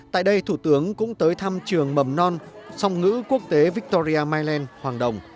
tại đây thủ tướng cũng tới thăm trường mầm non song ngữ quốc tế victoria mylen hoàng đồng